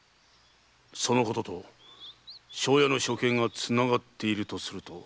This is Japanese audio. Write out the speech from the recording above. そのことと庄屋の処刑がつながっているとすると。